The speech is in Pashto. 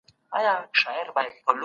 نالي دي سمه هواره کړه.